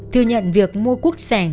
thừa nhận việc mua quốc sản